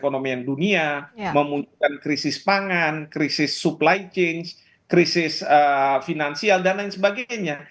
karena kita tahu bahwa perang itu akan mempunyai penggunaan ekonomi yang dunia memunculkan krisis pangan krisis supply chain krisis finansial dan lain sebagainya